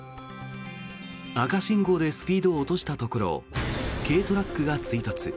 赤信号でスピードを落としたところ軽トラックが追突。